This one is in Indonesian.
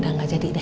udah gak jadi deh